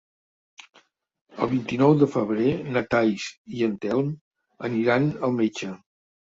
El vint-i-nou de febrer na Thaís i en Telm aniran al metge.